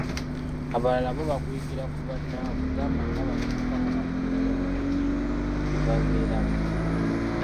Abalala bo baguyigira ku bannaabwe, gamba ng'abavubuka bo baguyigira mu "binywi" byebabeeramu.